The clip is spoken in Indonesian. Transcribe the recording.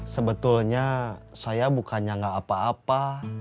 sebetulnya saya bukannya nggak apa apa